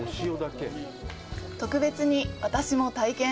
特別に私も体験。